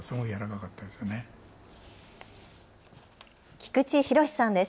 菊池廣さんです。